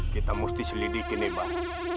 kita mesti selidikin nih bar